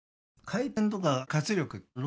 回転とか活力